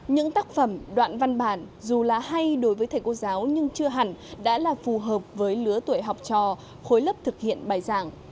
những tác phẩm đoạn văn bản dù là hay đối với thầy cô giáo nhưng chưa hẳn đã là phù hợp với lứa tuổi học trò khối lớp thực hiện bài giảng